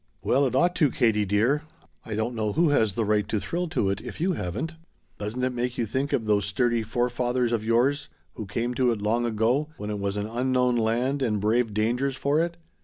"Well it ought to, Katie dear. I don't know who has the right to thrill to it, if you haven't. Doesn't it make you think of those sturdy forefathers of yours who came to it long ago, when it was an unknown land, and braved dangers for it?